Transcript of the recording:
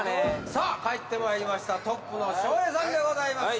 さぁ帰ってまいりましたトップの笑瓶さんでございます。